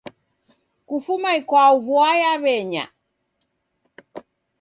Kufuma ikwau vua yaw'enya